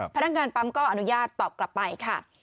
พนักงานปั๊มก็อนุญาตตอบกลับไปค่ะ